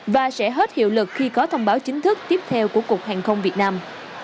và sẽ hết hiệu lực khi có thông báo chính thức tiếp theo của cục hàng không việt nam